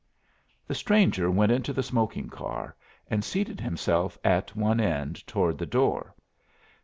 The stranger went into the smoking car, and seated himself at one end toward the door.